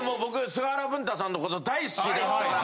菅原文太さんの事大好きだったから。